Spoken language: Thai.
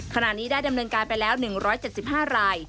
ขณะนี้ได้ดำเนินการไปแล้ว๑๗๕ราย